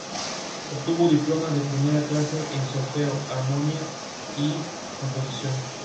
Obtuvo diploma de primera clase en solfeo, armonía y composición.